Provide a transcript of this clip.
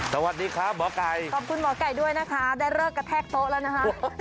สวัสดีครับหมอไก่ขอบคุณหมอไก่ด้วยนะคะได้เลิกกระแทกโต๊ะแล้วนะคะ